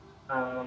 jadi kita harus